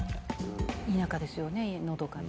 田舎ですよねのどかな。